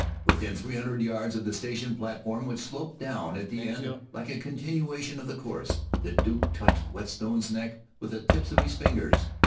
Within three hundred yards of the station platform, which sloped down at the end like a continuation of the course, the Duke touched old Whetstone's neck with the tips of his fingers.